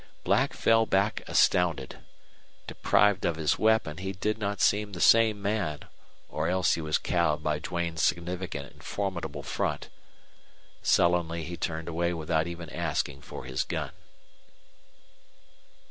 Black fell back astounded. Deprived of his weapon, he did not seem the same man, or else he was cowed by Duane's significant and formidable front. Sullenly he turned away without even asking for his gun.